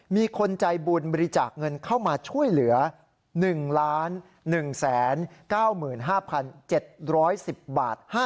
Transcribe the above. มีคนใจบุญบริจาคเงินเข้ามาช่วยเหลือ๑๑๙๕๗๑๐บาท